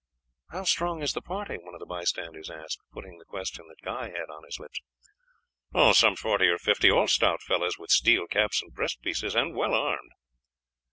"How strong is the party?" one of the bystanders asked, putting the question that Guy had on his lips. "Some forty or fifty, all stout fellows with steel caps and breast pieces, and well armed."